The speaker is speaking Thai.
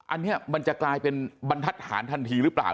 อันนี้มันจะกลายเป็นบรรทัศน์ทันทีหรือเปล่า